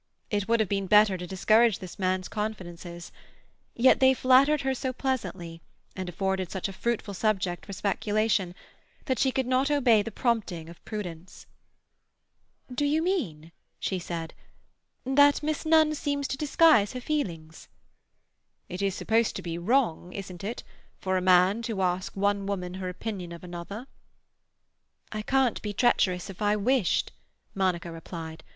It would have been better to discourage this man's confidences; yet they flattered her so pleasantly, and afforded such a fruitful subject for speculation, that she could not obey the prompting of prudence. "Do you mean," she said, "that Miss Nunn seems to disguise her feelings?" "It is supposed to be wrong—isn't it?—for a man to ask one woman her opinion of another." "I can't be treacherous if I wished," Monica replied.